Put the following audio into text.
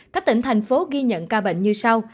các tỉnh thành phố ghi nhận ca bệnh như sau